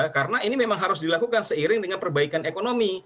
karena ini memang harus dilakukan seiring dengan perbaikan ekonomi